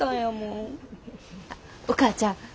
あっお母ちゃん。